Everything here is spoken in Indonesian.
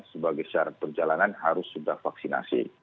sebagai syarat perjalanan harus sudah vaksinasi